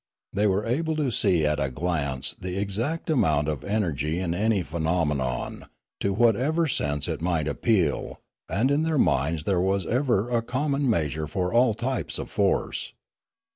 They were able to see at a glance the exact amount of energy in any phenomenon, to what ever sense it might appeal, and in their minds there was ever a common measure for all types of force.